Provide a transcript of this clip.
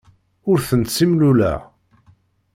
Ur tent-ssimluleɣ.